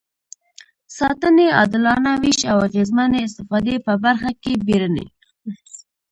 ساتنې، عادلانه وېش او اغېزمنې استفادې په برخه کې بیړني.